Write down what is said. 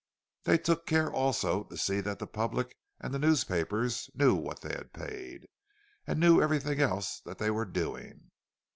They took care also to see that the public and the newspapers knew what they had paid, and knew everything else that they were doing.